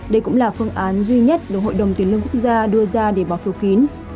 đây cũng là phương án duy nhất được hội đồng tiền lương quốc gia đưa ra để bỏ phiếu kín